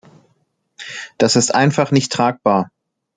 Das ist einfach nicht tragbar!